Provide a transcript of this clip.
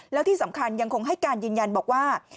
แล้วที่สำคัญยังคงให้การยืนยันบอกว่า